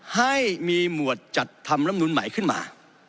ให้มีหมวดจัดทำลำนูนใหม่ขึ้นมา